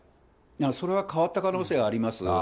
それは変わった可能性があります。